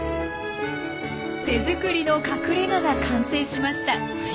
手作りの隠れ家が完成しました。